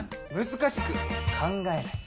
難しく考えない。